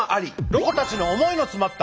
ロコたちの思いのつまった。